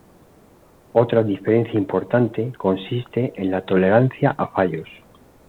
Otra diferencia importante consiste en la tolerancia a fallos.